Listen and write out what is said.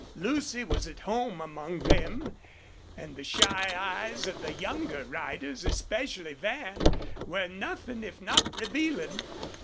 Lucy was at home among them, and the shy eyes of the younger riders, especially Van, were nothing if not revealing.